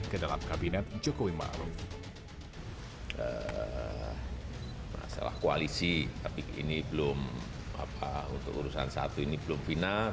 ke dalam kabinet jokowi maruf